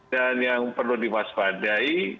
dan yang perlu diwaspadai